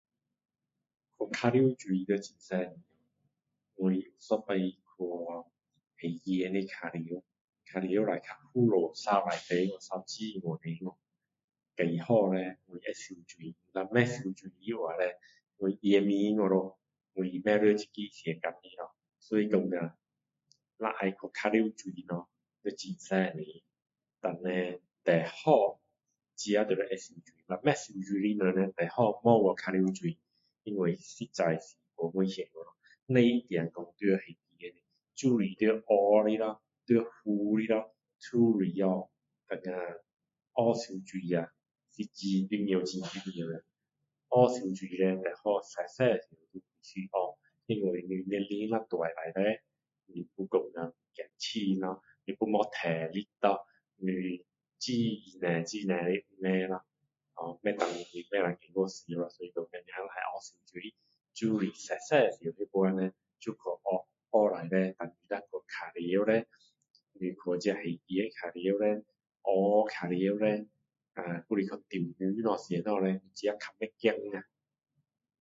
玩水要很小心我有一次去海边的玩玩了被海浪扫了出去扫去很远出去还好叻我会游泳若不游泳的话叻我永移民了咯我也不会在这个世界的了所以说啊若要去玩水那些要很小心然后叻最好自己就要会游泳若不会游泳的人叻最好不要去玩水因为实在太危险了咯不一定在海边的就是在河的咯在湖的咯都是哦然后那学游泳啊是很重要很重要的学游泳叻最好小小时就学因为你年龄若大了叻你会怕冷咯又有没体力咯你很多很多的问题咯ho不能你不能你若要学游泳要小小时那时就去学学若去玩呢你去这海边玩河玩叻呃还是说去钓鱼什么自己较不怕啊